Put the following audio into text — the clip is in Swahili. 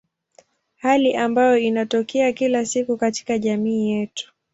Hali ambayo inatokea kila siku katika jamii yetu.